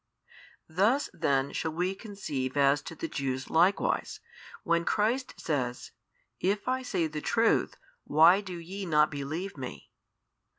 Thus then shall we conceive as to the Jews likewise, when Christ says, If I say the truth, why do ye not believe Me?